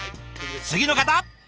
次の方！